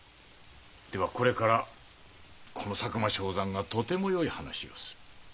ではこれからこの佐久間象山がとてもよい話をする。